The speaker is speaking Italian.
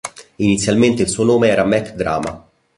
Inizialmente il suo nome era Mc Drama.